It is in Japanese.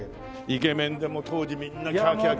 イケメンで当時みんなキャーキャーキャーキャー。